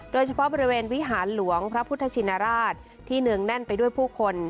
โดยเฉพาะบริเวณวิหารหลวงพระพุทธชินราชที่เนืองแน่นไปด้วยผู้คน